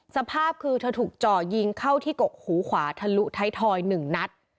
สภาพคือเธอถูกจ่อยิงเข้าที่กกหูขวาทะลุท้ายทอย๑นัด